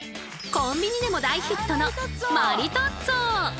コンビニでも大ヒットのマリトッツォ！